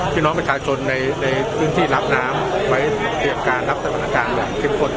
พี่น้องไม่จ่ายส่วนในในซึ่งที่หลับน้ำไว้เกี่ยวกับการรับสรรค์อาจารย์อย่างชิ้นข้น